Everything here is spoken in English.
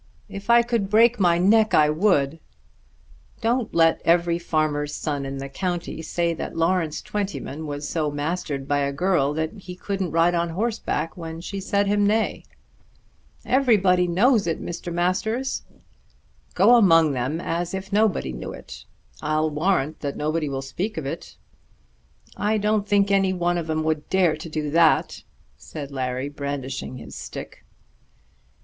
"If I could break my neck I would." "Don't let every farmer's son in the county say that Lawrence Twentyman was so mastered by a girl that he couldn't ride on horseback when she said him nay." "Everybody knows it, Mr. Masters." "Go among them as if nobody knew it. I'll warrant that nobody will speak of it." "I don't think any one of 'em would dare to do that," said Larry brandishing his stick.